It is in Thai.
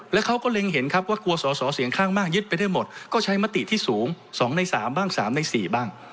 แล้วเขาก็เล็งเห็นครับว่ากลัวสอสอเสียงข้างมากยึดไปได้หมดก็ใช้มติที่สูง๒ใน๓บ้าง๓ใน๔บ้าง